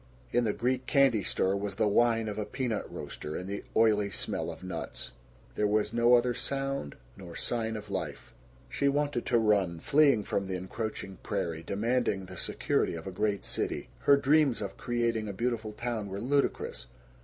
In the Greek candy store was the whine of a peanut roaster, and the oily smell of nuts. There was no other sound nor sign of life. She wanted to run, fleeing from the encroaching prairie, demanding the security of a great city. Her dreams of creating a beautiful town were ludicrous.